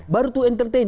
baru to entertain